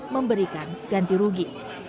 memberikan ganti rugi